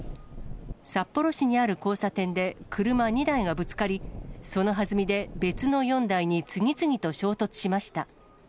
札幌市にある交差点で、車２台がぶつかり、そのはずみで別の４台に次々と衝突しました。